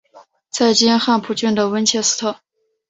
在今汉普郡的温切斯特。